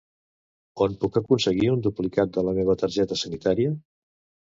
On puc aconseguir un duplicat de la meva targeta sanitària?